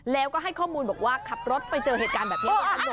แล้วก็ให้ข้อมูลบอกว่าขับรถไปเจอเหตุการณ์แบบนี้กับตำรวจ